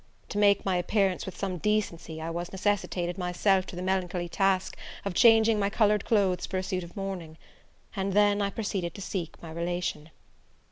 To make my appearance with some decency, I was necessitated myself to the melancholy task of changing my coloured clothes for a suit of mourning; and then I proceeded to seek my relation.